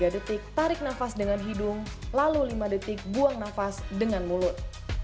tiga detik tarik nafas dengan hidung lalu lima detik buang nafas dengan mulut